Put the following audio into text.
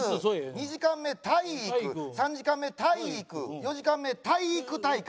２時間目体育３時間目体育４時間目体育大会。